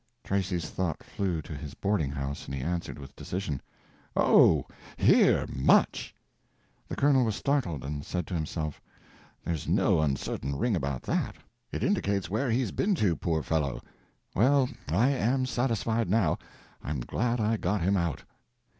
Tracy's thought flew to his boarding house, and he answered with decision. "Oh, here, much!" The colonel was startled, and said to himself, "There's no uncertain ring about that. It indicates where he's been to, poor fellow. Well, I am satisfied, now. I'm glad I got him out."